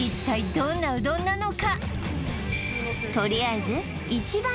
どんなうどんなのか？